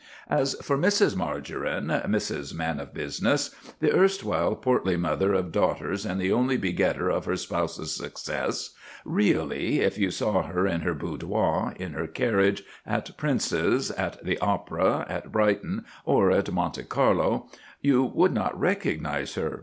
As for Mrs. Margarine, Mrs. Man of Business, the erstwhile portly mother of daughters and only begetter of her spouse's success, really, if you saw her in her boudoir, in her carriage, at Princes, at the opera, at Brighton, or at Monte Carlo, you would not recognise her.